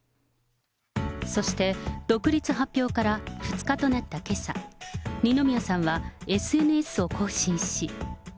そして、独立発表から２日となったけさ、二宮さんはＳＮＳを更新し。